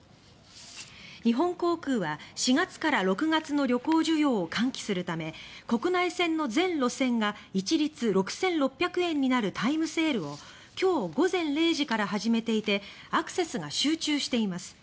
日本航空は、４月から６月の旅行需要を喚起するため国内線の全路線が一律６６００円になるタイムセールを今日午前０時から始めていてアクセスが集中しています。